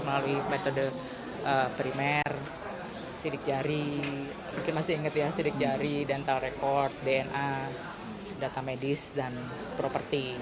melalui metode primer sidik jari dental record dna data medis dan properti